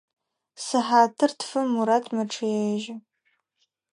Сыхьатыр тфым Мурат мэчъыежьы.